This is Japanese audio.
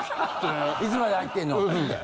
いつまで入ってんのって。